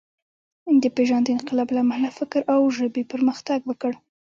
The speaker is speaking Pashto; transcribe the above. د پېژاند انقلاب له امله فکر او ژبې پرمختګ وکړ.